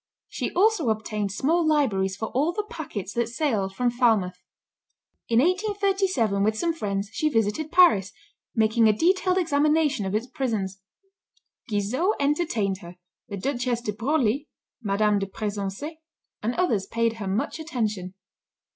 She also obtained small libraries for all the packets that sailed from Falmouth. In 1837, with some friends, she visited Paris, making a detailed examination of its prisons. Guizot entertained her, the Duchess de Broglie, M. de Pressensé, and others paid her much attention.